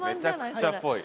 めちゃくちゃぽい。